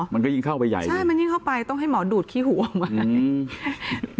มันก็ยิ่งเข้าไปใหญ่ใช่มันยิ่งเข้าไปต้องให้หมอดูดขี้หัวมันอืม